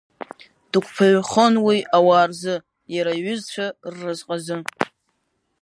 Дықәԥаҩхон уи ауаа рзы, иара иҩызцәа рразҟазы.